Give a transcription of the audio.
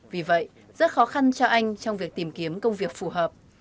vì vậy rất khó khăn cho anh trong việc tìm kiếm công việc phù hợp